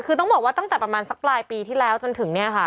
คือต้องบอกว่าตั้งแต่ประมาณสักปลายปีที่แล้วจนถึงเนี่ยค่ะ